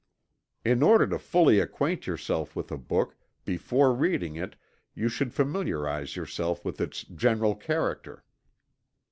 In order to fully acquaint yourself with a book, before reading it you should familiarize yourself with its general character.